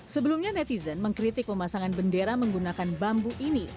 sebelumnya netizen mengkritik pemasangan bendera menggunakan bambu ini